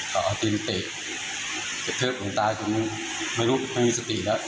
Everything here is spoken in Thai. ก็เอาตีนเตะเทิบลูกตาจนไม่รู้ไม่มีสติแล้ว